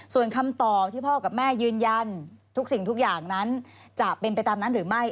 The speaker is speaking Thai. ส่วนคำตอบที่พ่อกับแม่ยืนยันทุกสิ่งทุกอย่างนั้นจะเป็นไปตามนั้นหรือไม่